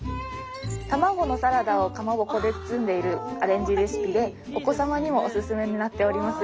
卵のサラダをかまぼこで包んでいるアレンジレシピでお子様にもおすすめになっております。